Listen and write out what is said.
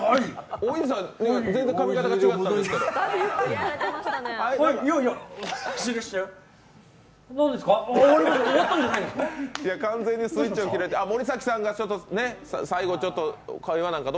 大泉さん、全然髪形が違ったんですけど。